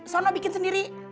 soalnya bikin sendiri